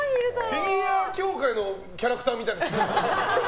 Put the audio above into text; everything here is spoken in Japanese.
フィギュア協会のキャラクターみたいな顔して。